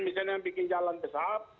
misalnya bikin jalan besar